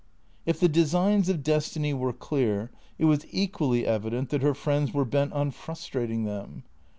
If the designs of destiny were clear, it was equally evident that her friends were bent on frustrating them.